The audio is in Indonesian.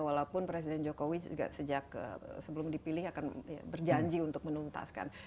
walaupun presiden jokowi juga sejak sebelum dipilih akan berjanji untuk menuntaskan